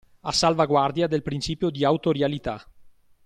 A salvaguardia del principio di autorialità.